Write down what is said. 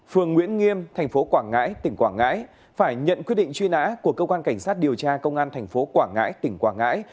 huyện nguyễn nghiêm tp quảng ngãi tỉnh quảng ngãi phải nhận quy định truy nã của cơ quan cảnh sát điều tra công an tp quảng ngãi tỉnh quảng ngãi